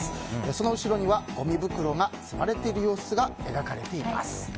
その後ろにはごみ袋が積まれている様子が描かれています。